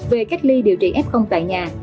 về cách ly điều trị f tại nhà